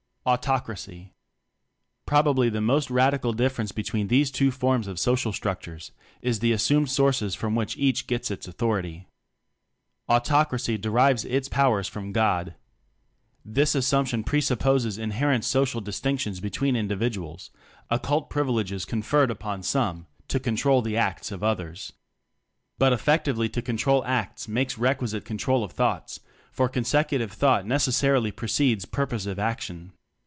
Autocracy. Probably the most radical difference between these two forms of social structures is the assumed sources from which each gets its authority. Autocracy derives its powers from "God." This assumption pre supposes inherent social distinctions between individuals occult privileges con ferred upon some to control the acts of others. But effectively to control acts makes requisite control of thoughts, for consecutive thought necessarily precedes purposive action.